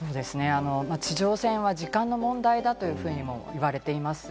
地上戦は時間の問題だというふうにも言われています。